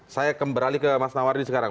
saya kembali ke mas nawardi sekarang